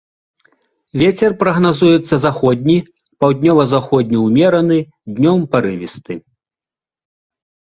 Вецер прагназуецца заходні, паўднёва-заходні ўмераны, днём парывісты.